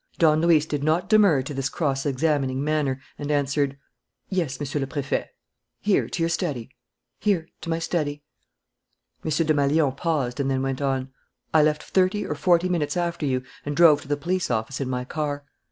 Don Luis did not demur to this cross examining manner and answered: "Yes, Monsieur le Préfet." "Here, to your study?" "Here, to my study." M. Desmalions paused and then went on: "I left thirty or forty minutes after you and drove to the police office in my car.